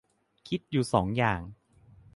คิดอยู่สองอย่าง